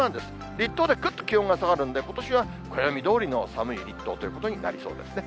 立冬でくっと気温が下がるんで、ことしは暦どおりの寒い立冬ということになりそうですね。